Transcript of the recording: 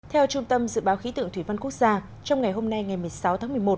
theo trung tâm dự báo khí tượng thủy văn quốc gia trong ngày hôm nay ngày một mươi sáu tháng một mươi một